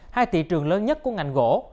hai thị trường lớn nhất của ngành gỗ